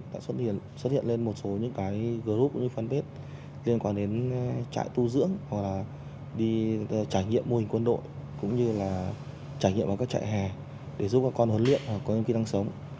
bắt đầu trên mạng xã hội đã xuất hiện lên một số những cái group như fanpage liên quan đến trại tu dưỡng hoặc là đi trải nghiệm mô hình quân đội cũng như là trải nghiệm vào các trại hè để giúp các con huấn luyện và có những kỹ năng sống